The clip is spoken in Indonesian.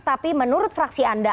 tapi menurut fraksi anda